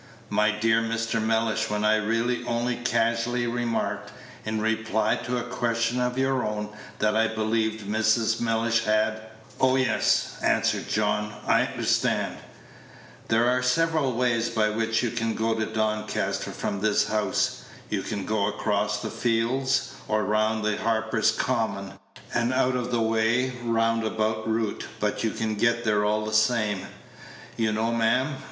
"My dear Mr. Mellish, when I really only casually remarked, in reply to a question of your own, that I believed Mrs. Mellish had " "Oh yes," answered John, "I understand. There are several ways by which you can go to Doncaster from this house. You can go across the fields, or round by Harper's Common, an out of the way, roundabout route, but you get there all the same, you know, ma'am.